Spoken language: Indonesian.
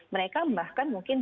mereka bahkan mungkin